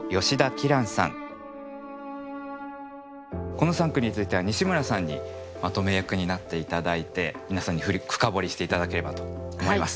この三句については西村さんにまとめ役になって頂いて皆さんに深掘りして頂ければと思います。